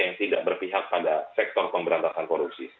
yang tidak berpihak pada sektor pemberantasan korupsi